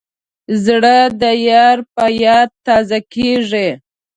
زړه د یار په یاد تازه کېږي.